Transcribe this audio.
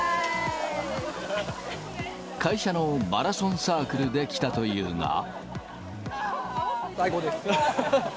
会社のマラソンサークルで来最高です。